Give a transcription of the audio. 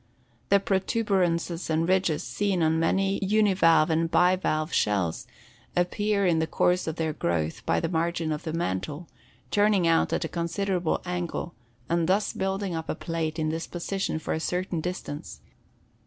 The protuberances and ridges seen on many univalve and bivalve shells appear in the course of their growth by the margin of the mantle, turning out at a considerable angle and thus building up a plate in this position for a certain distance.